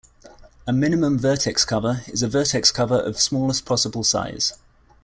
A "minimum vertex cover" is a vertex cover of smallest possible size.